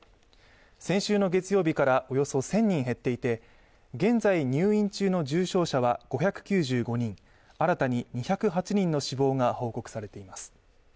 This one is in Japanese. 先週の月曜日からおよそ１０００人減っていて、現在入院中の重症者は５９５人新たに２０８人の死亡が報告されています。